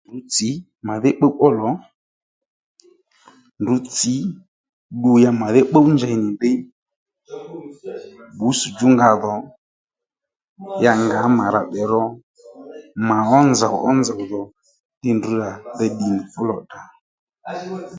Ndrǔ tsǐ màdhí pbúw ó lò ndrǔ tsǐ ddu ya màdhí pbúw njey nì ddiy bbǔsdjú nga dhò ya ngǎ mà rà tdè ro mà wá nzòw ó nzòw ddí ndrǔ rà dey ddí fú lò tdrà